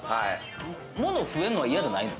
物増えるのは嫌じゃないの？